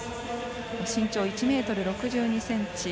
身長１ｍ６２ｃｍ。